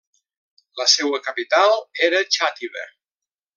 La seua capital era Xàtiva.